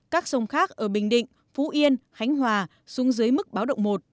các sông khác ở bình định phú yên khánh hòa xuống dưới mức báo động một